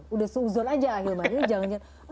sudah seuzon aja akhirnya